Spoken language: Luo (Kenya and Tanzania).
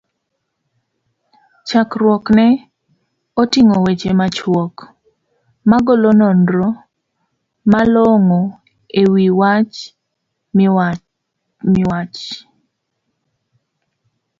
chakruokne oting'o weche machuok, magolo nonro malongo e wich wach miwach?